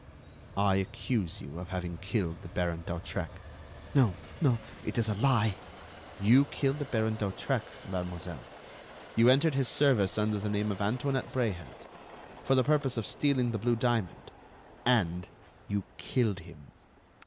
"I accuse you of having killed the Baron d'Hautrec." "No, no, it is a lie." "You killed the Baron d'Hautrec, mademoiselle. You entered his service under the name of Antoinette Bréhat, for the purpose of stealing the blue diamond and you killed him."